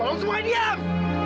tolong semua diam